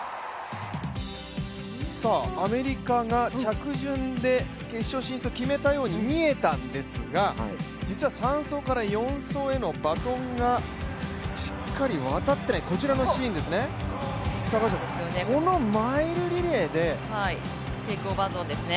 アメリカが着順で決勝進出を決めたように見えたんですが、実は３走から４走へのバトンがしっかり渡ってない、こちらのシーンですね、このマイルリレーでテイク・オーバー・ゾーンですね。